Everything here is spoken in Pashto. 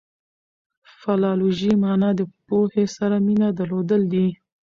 فلالوژي مانا د پوهي سره مینه درلودل دي.